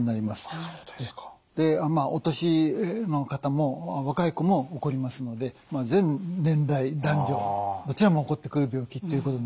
お年の方も若い子も起こりますので全年代男女どちらも起こってくる病気ってことになります。